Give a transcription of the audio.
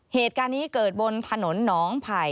เหตุการณ์นี้เกิดบนถนนหนองไผ่